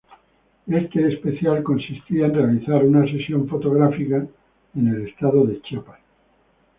Este especial consistía en realizar una sesión fotográfica en el estado de Chiapas.